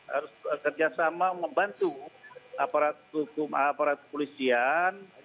harus bekerjasama membantu aparat hukum aparat kepolisian